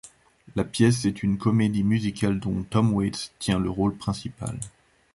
La pièce est une comédie musicale dont Tom Waits tient le rôle principal.